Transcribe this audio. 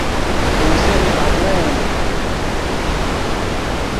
Mɛn hɔn-sɛ́n le bha krɛn an.